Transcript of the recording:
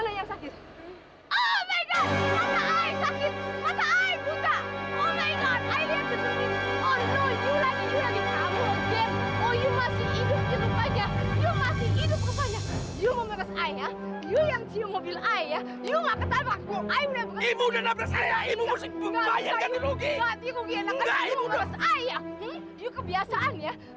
lagi ngambil motor di parkiran sebelah sana